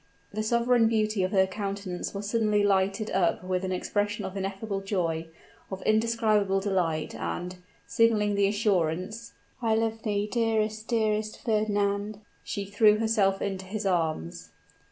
The sovereign beauty of her countenance was suddenly lighted up with an expression of ineffable joy, of indescribable delight; and, signaling the assurance, "I love thee, dearest, dearest Fernand!" she threw herself into his arms.